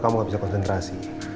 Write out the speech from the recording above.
kamu gak bisa konsentrasi